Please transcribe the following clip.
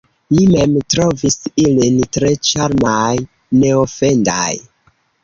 Mi mem trovis ilin tre ĉarmaj, neofendaj.